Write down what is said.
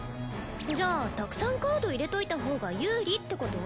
じゃあたくさんカード入れといたほうが有利ってこと？